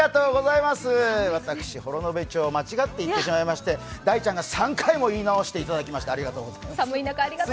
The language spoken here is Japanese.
私、幌延町を間違って言ってしまいまして大ちゃんが３回も言い直していただきましてありがとうございました。